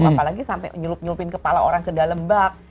apalagi sampai nyelup nyelupin kepala orang ke dalam bak